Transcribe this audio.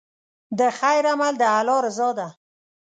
د خیر عمل د الله رضا ده.